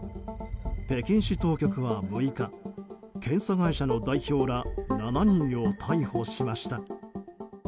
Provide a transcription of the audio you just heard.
北京市当局は６日検査会社の代表ら７人を逮捕しました。